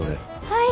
「はい」